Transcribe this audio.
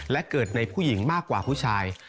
และเกิดในผู้หญิงมากกว่าผู้ชาย